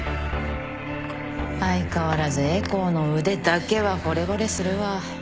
相変わらずエコーの腕だけはほれぼれするわ